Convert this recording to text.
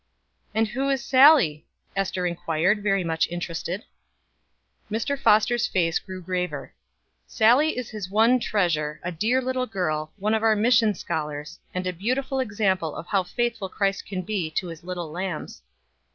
"And who is Sallie?" Ester inquired, very much interested. Mr. Foster's face grew graver. "Sallie is his one treasure, a dear little girl, one of our mission scholars, and a beautiful example of how faithful Christ can be to his little lambs."